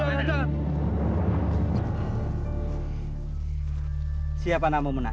ternyata bapak keliru